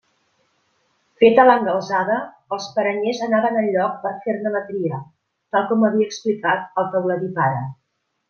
Feta l'engalzada els paranyers anaven al lloc per fer-ne la tria, tal com havia explicat el teuladí pare.